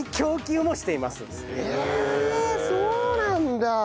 へえそうなんだ。